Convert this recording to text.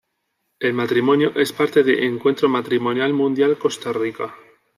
El matrimonio es parte de Encuentro Matrimonial Mundial Costa Rica.